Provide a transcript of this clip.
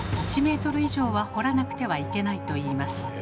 １ｍ以上は掘らなくてはいけないといいます。